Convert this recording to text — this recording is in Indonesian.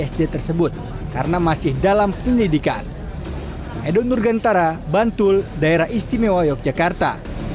sd tersebut karena masih dalam penyelidikan edo nurgantara bantul daerah istimewa yogyakarta